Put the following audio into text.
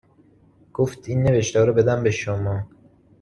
گفت این نوشته ها رو بدم به شما